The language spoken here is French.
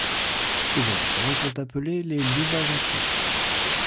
Ses habitants sont appelés les Loubajacais.